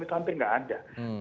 itu hampir tidak ada